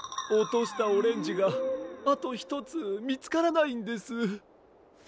おとしたオレンジがあとひとつみつからないんです。